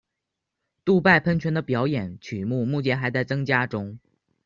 杜拜喷泉的表演曲目目前还在增加中。